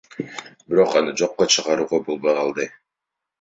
Бирок аны жокко чыгарууга болбой калды.